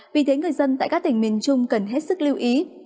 vì thế người dân tại các tỉnh miền trung cần hết sức lưu ý